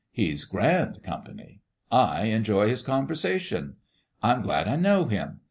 He's grand company. I enjoy His con versation. I'm glad I know Him.